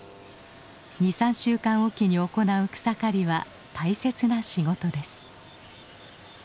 ２３週間おきに行う草刈りは大切な仕事です。